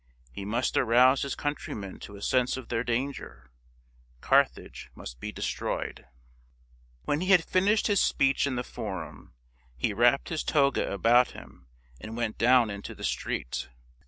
He must arouse his countrymen to a sense of their dan ger. Carthage must be destroyed. When he had finished his speech in the Forum, he wrapped his toga about him and went down into the street.